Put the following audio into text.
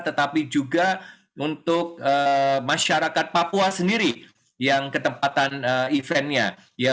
tetapi juga untuk masyarakat papua sendiri yang ketempatan eventnya